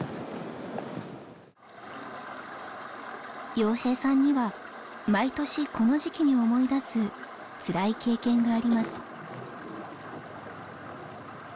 洋平さんには毎年この時期に思い出すつらい経験があります。